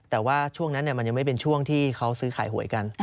แต่ว่าช่วงนั้นมันยังไม่เป็นช่วงที่เขาซื้อขายหวยกัน